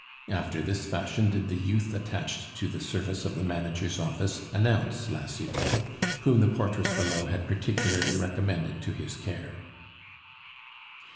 After this fashion did the youth attached to the service of the manager's office announce La Cibot, whom the portress below had particularly recommended to his care.